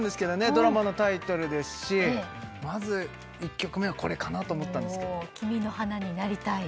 ドラマのタイトルですしまず１曲目はこれかなと思ったんですけど「君の花になりたい」